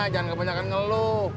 jangan kebanyakan ngeluk